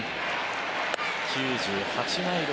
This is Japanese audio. ９８マイル